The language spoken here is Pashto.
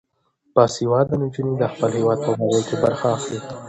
باسواده نجونې د خپل هیواد په ابادۍ کې برخه اخلي.